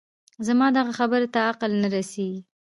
زما دغه خبرې ته عقل نه رسېږي